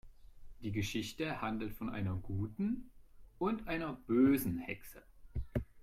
Die Geschichte handelt von einer guten und einer bösen Hexe.